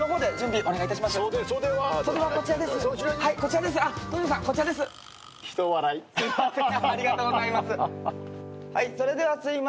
おめでとうございます。